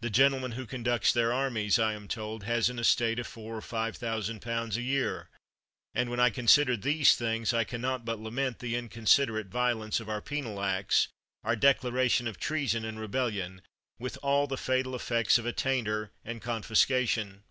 The gentleman who conducts their armies, I am. told, has an estate of four or five thousand pounds a year; and when I consider these things, I can not but la ment the inconsiderate violence of our penal acts, our declaration of treason and rebellion, with all the fatal effects of attainder and confiscation.